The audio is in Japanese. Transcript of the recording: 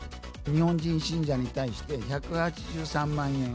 日本人信者に対して１８３万円。